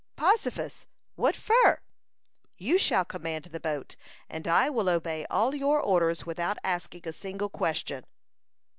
"Possifus! What fur?" "You shall command the boat, and I will obey all your orders without asking a single question."